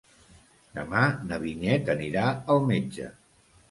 Demà na Vinyet anirà al metge.